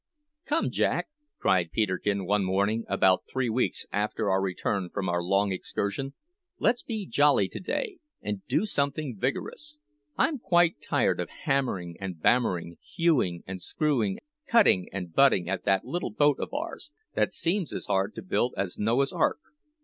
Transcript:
"Come, Jack," cried Peterkin one morning about three weeks after our return from our long excursion, "let's be jolly to day, and do something vigorous. I'm quite tired of hammering and bammering, hewing and screwing, cutting and butting at that little boat of ours, that seems as hard to build as Noah's ark.